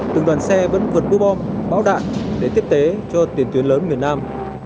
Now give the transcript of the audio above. từng đoàn xe vẫn vượt búa bom báo đạn để tiếp tế cho tuyển tuyến lớn miền nam